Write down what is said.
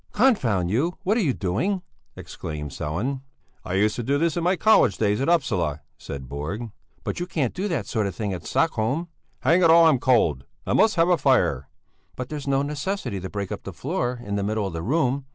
"Confound you! What are you doing?" exclaimed Sellén. "I used to do this in my college days at Upsala," said Borg. "But you can't do that sort of thing at Stockholm!" "Hang it all, I'm cold! I must have a fire." "But there's no necessity to break up the floor in the middle of the room!